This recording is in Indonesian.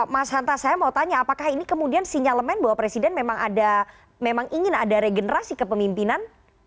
mas hanta saya mau tanya apakah ini kemudian sinyalemen bahwa presiden memang ingin ada regenerasi kepemimpinan